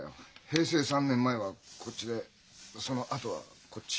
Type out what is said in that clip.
平成３年前はこっちでそのあとはこっち。